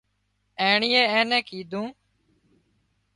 اينڻيئي اين نين ڪيڌُون